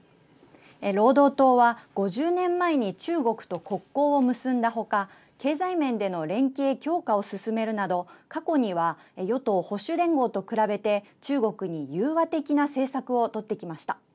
労働党は、５０年前に中国と国交を結んだほか経済面での連携強化を進めるなど過去には与党・保守連合と比べて中国に融和的な政策を取ってきました。